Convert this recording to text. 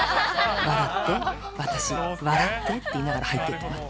笑って、私、笑ってって言いながらはいっていってます。